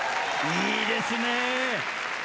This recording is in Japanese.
いいですね！